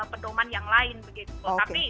pedoman yang lain begitu tapi